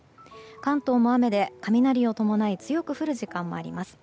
関東も雨で雷を伴い強く降る時間もあります。